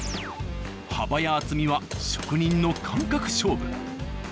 幅や厚みは職人の感覚勝負。